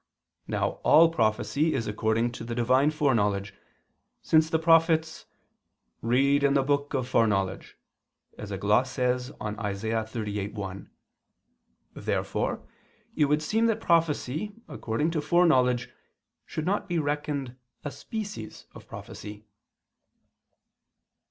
Now all prophecy is according to the Divine foreknowledge, since the prophets "read in the book of foreknowledge," as a gloss says on Isa. 38:1. Therefore it would seem that prophecy according to foreknowledge should not be reckoned a species of prophecy.